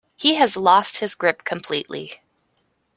He has lost his grip completely.